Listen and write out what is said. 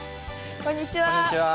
こんにちは。